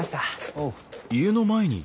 おう。